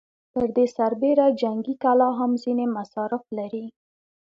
پر دې سربېره جنګي کلا هم ځينې مصارف لري.